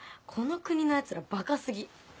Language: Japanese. この国の奴らバカ過ぎ。